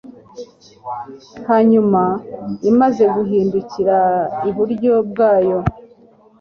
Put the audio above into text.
hanyuma imaze guhindukirira iburyo bwayo